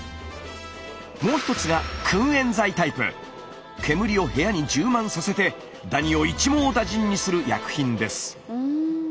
もう一つが煙を部屋に充満させてダニを一網打尽にする薬品です。